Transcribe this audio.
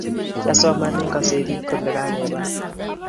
Kiasoman eng kasetit kole kakebar